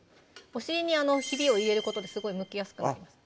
お尻にヒビを入れることですごいむきやすくなります